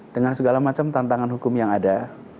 dengan segala macam tantangan hukum yang ada